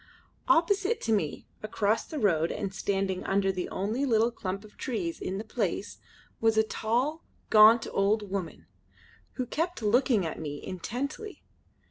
Opposite to me, across the road and standing under the only little clump of trees in the place was a tall, gaunt old woman, who kept looking at me intently.